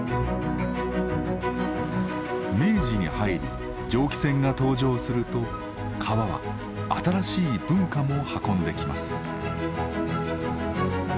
明治に入り蒸気船が登場すると川は新しい文化も運んできます。